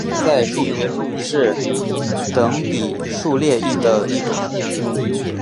鼠算在数学中是等比数列的一种。